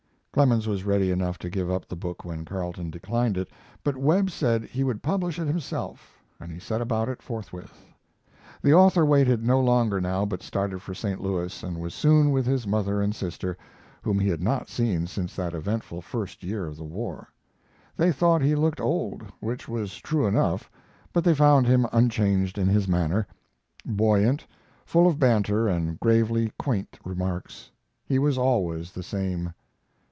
Clemens was ready enough to give up the book when Carleton declined it, but Webb said he would publish it himself, and he set about it forthwith. The author waited no longer now, but started for St. Louis, and was soon with his mother and sister, whom he had not seen since that eventful first year of the war. They thought he looked old, which was true enough, but they found him unchanged in his manner: buoyant, full of banter and gravely quaint remarks he was always the same.